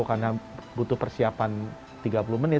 karena butuh persiapan tiga puluh menit